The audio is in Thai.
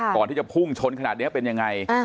ก่อนที่จะพุ่งชนขนาดนี้เป็นยังไง